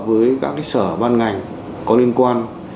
với các sở ban ngành có liên quan